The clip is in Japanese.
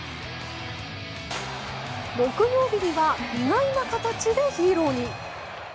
木曜日には意外な形でヒーローに。